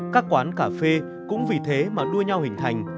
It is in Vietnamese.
các quán cà phê cũng vì thế mà đua nhau hình thành